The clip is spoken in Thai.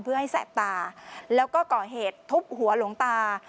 เพื่อให้แสบตาแล้วก็ก่อเหตุทุบหัวหลวงตา